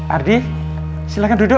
ardi silahkan duduk